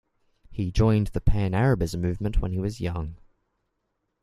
He joined the pan-Arabism movement when he was young.